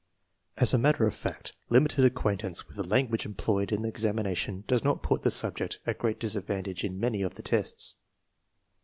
As a matter of fact, limited acquaintance with the language employed in the examination does not put the subject at great disadvantage in many of the tests.